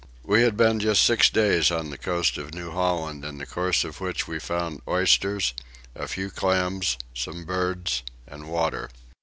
We had been just six days on the coast of New Holland in the course of which we found oysters, a few clams, some birds, and water.